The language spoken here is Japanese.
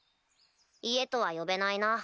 家とは呼べないな。